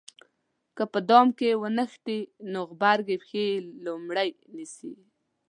که په دام کې ونښتې نو غبرګې پښې یې لومې نیسي.